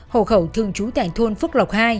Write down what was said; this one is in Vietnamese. hồ khẩu thường trú tại thuôn phước lộc hai